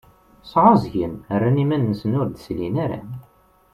Sεuẓẓgen, rran iman-nsen ur d-slin ara.